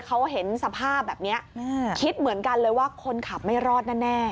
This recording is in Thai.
เขาเห็นสภาพแบบนี้คิดเหมือนกันเลยว่าคนขับไม่รอดแน่